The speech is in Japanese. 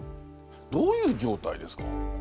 どういう状態ですか？